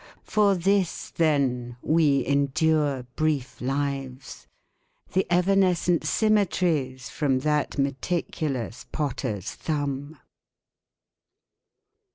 For this, then, we endure brief lives. The evanescent symmetries From that meticulous potter's thumb.